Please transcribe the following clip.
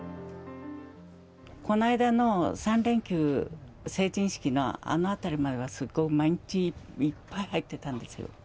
こないだの３連休、成人式のあのあたりまではすごい、毎日いっぱい入ってたんですよ。